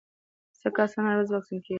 څه کسان هره ورځ واکسین کېږي؟